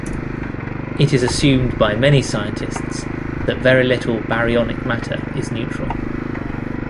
It is assumed by many scientists that very little baryonic matter is neutral.